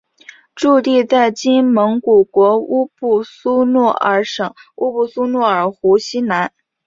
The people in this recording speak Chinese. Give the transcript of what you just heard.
驻地在今蒙古国乌布苏诺尔省乌布苏诺尔湖西南。